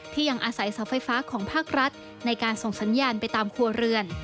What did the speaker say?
ยังอาศัยเสาไฟฟ้าของภาครัฐในการส่งสัญญาณไปตามครัวเรือน